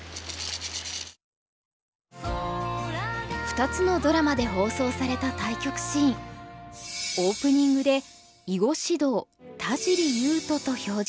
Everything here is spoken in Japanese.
２つのドラマで放送された対局シーンオープニングで「囲碁指導田尻悠人」と表示されています。